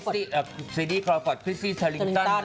พวกซินดี้ค็อลฟอร์ดคริสตี้ชัลลิงต้น